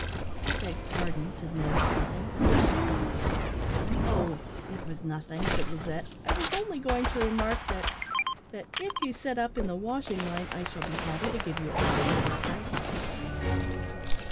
"I beg pardon," said Ned, pausing, "did you " "Oh, it was nothing!" said Lizette; "I was only going to remark that that if you set up in the washing line, I shall be happy to give you all the work I can."